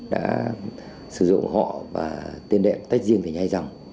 đã sử dụng họ và tiên đệm tách riêng về nhai dòng